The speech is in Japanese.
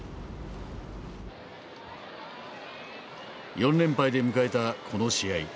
４連敗で迎えたこの試合。